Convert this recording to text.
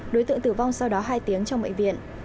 đối tượng tử vong sau đó hai tiếng trong bệnh viện